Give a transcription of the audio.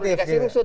baru dikasih rusun